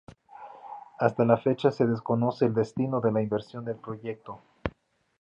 Hasta la fecha se desconoce el destino de la inversión del proyecto.